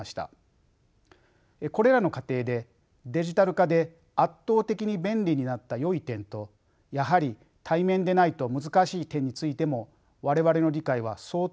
これらの過程でデジタル化で圧倒的に便利になったよい点とやはり対面でないと難しい点についても我々の理解は相当進んだと思います。